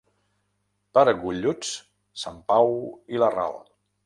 Per golluts, Sant Pau i la Ral.